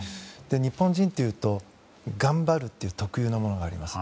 日本人というと、頑張るという特有のものがあります。